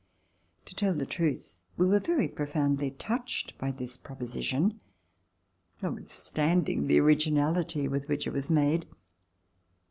To tell the truth we were very profoundly touched by this proposition, notwithstanding the originality with which it was made.